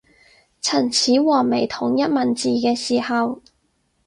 秦始皇未統一文字嘅時候